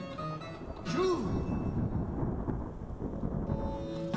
キュー！